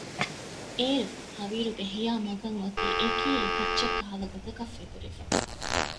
އޭރު ހަވީރުގެ ހިޔާ މަގަށް އޮތީ އެކީ އެކައްޗަކަށް ކަހަލަ ގޮތަކަށް ފެތުރިފަ